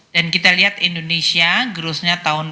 dan kita lihat indonesia growthnya tahun ini